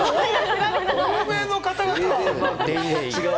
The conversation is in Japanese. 欧米の方々。